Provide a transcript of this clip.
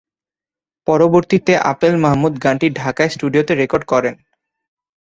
পরবর্তীতে আপেল মাহমুদ গানটি ঢাকায় স্টুডিওতে রেকর্ড করেন।